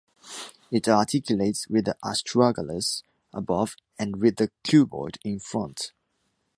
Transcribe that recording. It articulates with the astragalus above and with the cuboid in front.